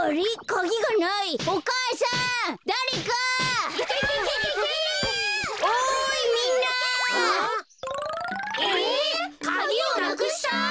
カギをなくした？